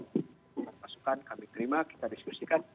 dengan masukan kami terima kita diskusikan